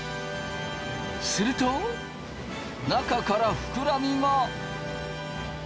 すると中から膨らみが。